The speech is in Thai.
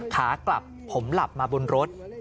ขากลับผมหลับมาบนรถ